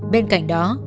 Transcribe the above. bên cạnh đó